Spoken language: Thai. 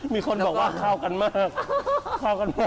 มีคนบอกว่าเข้ากันมาก